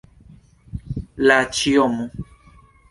La ĉiomo.